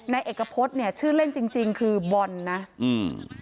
นายเอกพฤษเนี่ยชื่อเล่นจริงจริงคือบอลนะอืม